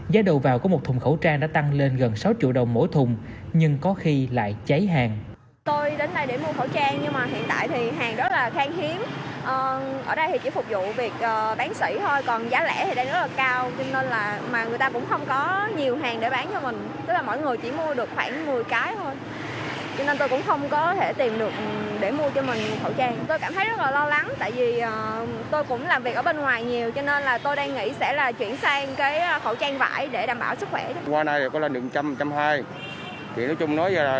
giá đầu vào của một thùng khẩu trang đã tăng lên gần sáu triệu đồng mỗi thùng nhưng có khi lại cháy hàng